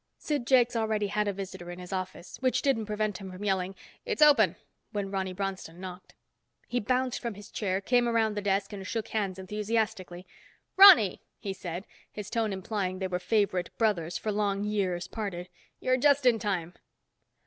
Sid Jakes already had a visitor in his office, which didn't prevent him from yelling, "It's open," when Ronny Bronston knocked. He bounced from his chair, came around the desk and shook hands enthusiastically. "Ronny!" he said, his tone implying they were favorite brothers for long years parted. "You're just in time."